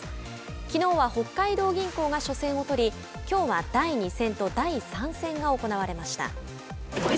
きのうは北海道銀行が初戦を取りきょうは第２戦と第３戦が行われました。